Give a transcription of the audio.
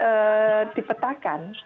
jadi ini memang dipetakan